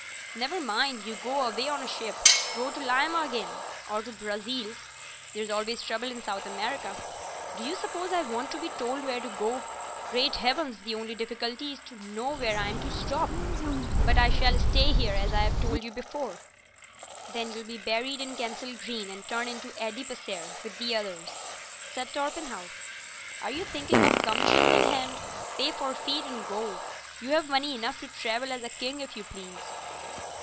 "Never mind. You go away on a ship. Go to Lima again, or to Brazil. There's always trouble in South America." "Do you suppose I want to be told where to go? Great Heavens, the only difficulty is to know where I'm to stop. But I shall stay here, as I told you before." "Then you'll be buried in Kensal Green and turn into adipocere with the others," said Torpenhow. "Are you thinking of commissions in hand? Pay forfeit and go. You've money enough to travel as a king if you please."